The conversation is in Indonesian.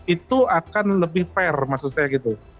itu akan lebih fair maksud saya gitu